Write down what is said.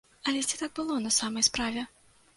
Але ці так было на самай справе?